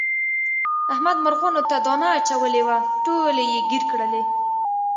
احمد مرغانو ته دانه اچولې وه ټولې یې ګیر کړلې.